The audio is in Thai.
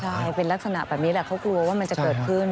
ใช่เป็นลักษณะแบบนี้แหละเขากลัวว่ามันจะเกิดขึ้น